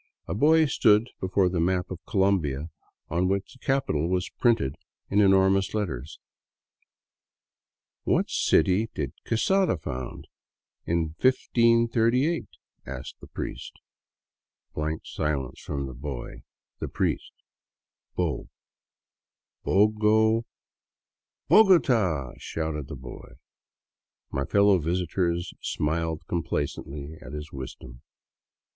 A boy stood before the map of Colombia, on which the capital was printed in enormous let ters. "What city did Quesada found in 1538?" asked the priest. Blank silence from the boy. The priest : "Bo — bogo —'^ "Bogota!" shouted the boy. My fellow visitors smiled complacently at his wisdom.